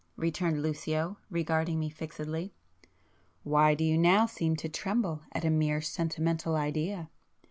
returned Lucio, regarding me fixedly. "Why do you now seem to tremble at a mere sentimental idea?